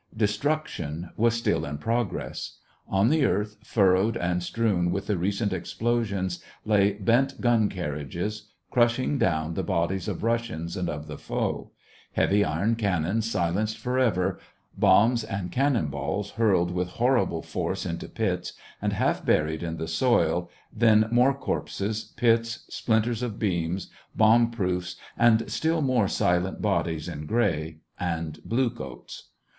Destruction was still in progress. On the earth, furrowed and strewn with the recent explo sions, lay bent gun carriages, crushing down the bodies of Russians and of the foe ; heavy iron can nons silenced forever, bombs and cannon balls hurled with horrible force into pits, and half buried in the soil, then more corpses, pits, splinters of beams, bomb proofs, and still more silent bodies in gray and blue coats.